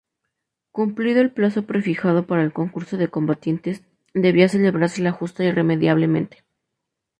Cumplido el plazo prefijado para el concurso de combatientes, debía celebrarse la justa irremediablemente.